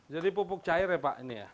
pupuk cair ya pak ini ya